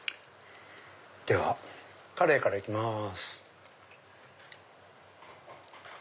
ではカレイからいきます。